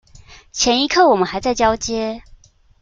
前一刻我們還在交接